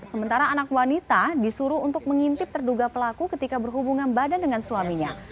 sementara anak wanita disuruh untuk mengintip terduga pelaku ketika berhubungan badan dengan suaminya